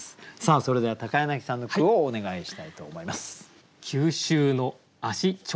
それでは柳さんの句をお願いしたいと思います。